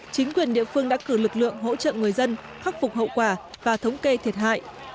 chính quyền địa phương đã cử lực lượng hỗ trợ người dân khắc phục hậu quả và thống kê thiệt hại